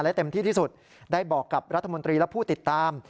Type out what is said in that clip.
และเต็มที่ที่สุดได้บอกกับรัฐมนตรีและผู้ติดตาม